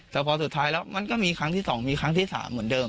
แต่พอสุดท้ายแล้วมันก็มีครั้งที่๒มีครั้งที่๓เหมือนเดิม